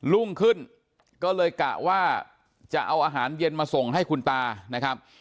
รุ่งขึ้นก็เลยกะว่าจะเอาอาหารเย็นมาส่งให้คุณตานะครับ